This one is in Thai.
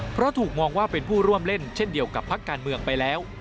เพราะถูกมองว่าเป็นผู้ร่วมเล่นเช่นเดียวกับพักการเมืองไปแล้ว